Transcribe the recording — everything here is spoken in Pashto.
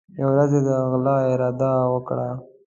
یوه ورځ یې د غلا اراده وکړه.